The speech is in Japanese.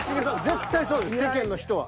絶対そうです世間の人は。